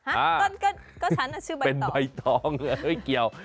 ฮะก็ฉันน่ะชื่อใบตองเป็นใบตองเหลือเกี่ยว